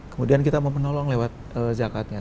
kemudian kita mau menolong lewat zakatnya